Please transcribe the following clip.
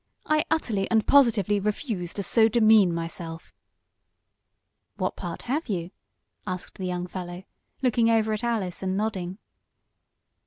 I utterly and positively refuse to so demean myself." "What part have you?" asked the young fellow, looking over at Alice and nodding.